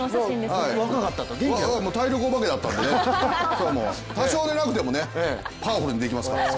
体力お化けだったんで多少寝なくてもパワフルにできますから。